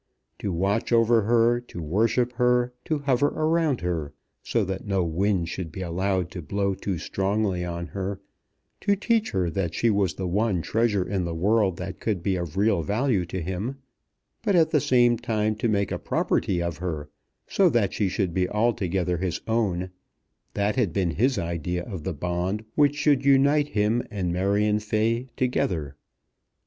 To watch over her, to worship her, to hover round her, so that no wind should be allowed to blow too strongly on her, to teach her that she was the one treasure in the world that could be of real value to him, but at the same time to make a property of her, so that she should be altogether his own, that had been his idea of the bond which should unite him and Marion Fay together.